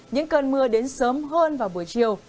những cơn mưa đến sớm hơn vào buổi chiều